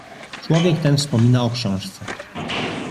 "Człowiek ten wspomina o książce."